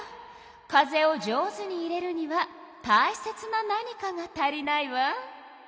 風を上手に入れるにはたいせつな何かが足りないわ。